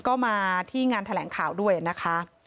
ก็มาที่งานแถลงข่าวด้วยนะคะ